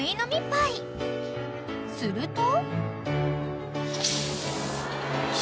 ［すると］